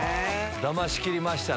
だましきりましたね。